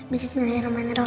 besis menerima neraka